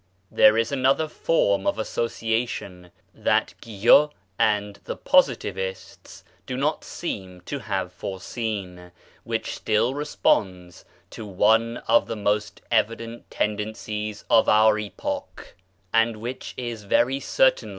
There is another form of association that Guyau and the Positivists do not seem to have foreseen, which still responds to one of the most evident tendencies of our epoch, and which is very certainly of 1 M.